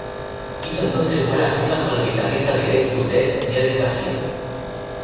Hizo entonces buenas migas con el guitarrista de Grateful Dead Jerry Garcia.